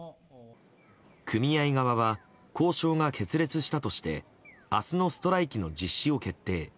組合側は交渉が決裂したとして明日のストライキの実施を決定。